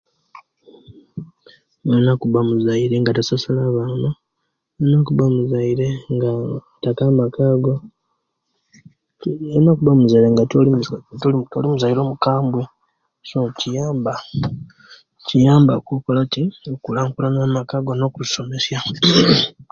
Oina kuba muzaire, nga tososola abaana, oina kuba muzaire, nga ottaka amaka go, oina okuba omuzaire nga toli muzaire omukambwe, kiyambaku, kiyambaku okukola kyi okulankulanya amaka go no kusomesya.